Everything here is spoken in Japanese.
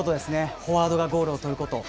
フォワードがゴールを取ること。